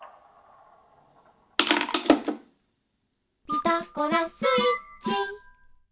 「ピタゴラスイッチ」